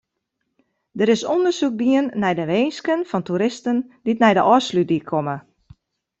Der is ûndersyk dien nei de winsken fan toeristen dy't nei de Ofslútdyk komme.